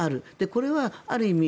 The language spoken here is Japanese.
これはある意味